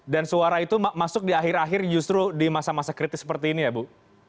dan suara itu masuk di akhir akhir justru di masa masa kritis seperti ini ya bu